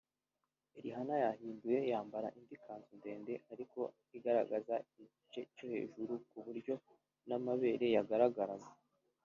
Rihanna yahinduye yambara indi kanzu ndende ariko igaragaza igice cyo hejuru ku buryo n’amabere yagaragaraga